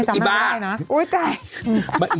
อีบ้าร์